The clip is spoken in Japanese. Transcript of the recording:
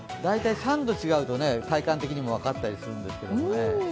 ３度違うと体感的にも分かったりするんですけどね。